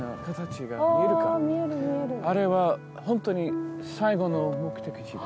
あれは本当に最後の目的地。